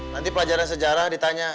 nanti pelajaran sejarah ditanya